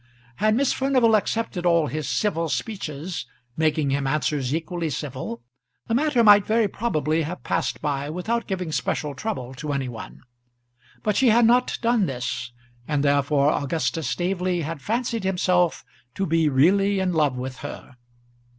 Had Miss Furnival accepted all his civil speeches, making him answers equally civil, the matter might very probably have passed by without giving special trouble to any one. But she had not done this, and therefore Augustus Staveley had fancied himself to be really in love with her.